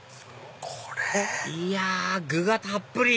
いや具がたっぷり！